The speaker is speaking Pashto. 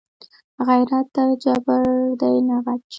غیرت نه جبر دی نه غچ